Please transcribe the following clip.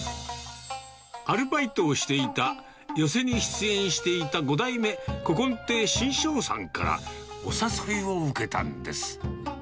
アルバイトをしていた寄席に出演していた５代目古今亭志ん生さんから、お誘いを受けたんです。